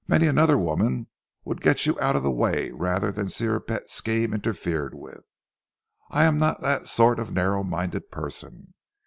Many another woman would get you out of the way rather than see her pet scheme interfered with. I am not that sort of narrow minded person.